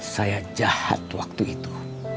saya jahat waktu itu